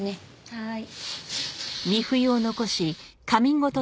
はい。